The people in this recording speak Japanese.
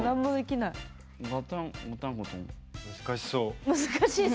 難しそう。